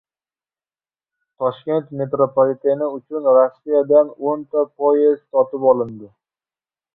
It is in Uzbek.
Toshkent metropoliteni uchun Rossiyadan o‘nta poezd sotib olinadi